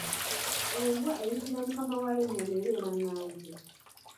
Embwa eyiggira Mukama waayo ennyama ebeera ղղanzi.